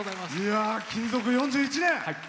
勤続４１年。